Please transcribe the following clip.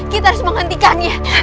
kita harus menghentikannya